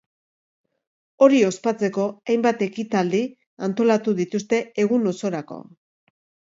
Hori ospatzeko, hainbat ekitaldi antolatu dituzte egun osorako.